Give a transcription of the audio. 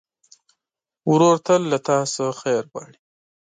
ورور تل له تا نه خیر غواړي.